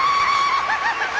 アハハハ！